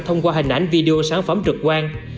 thông qua hình ảnh video sản phẩm trực quan